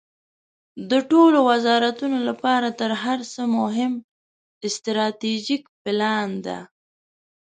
د ټولو وزارتونو لپاره تر هر څه مهم استراتیژیک پلان ده.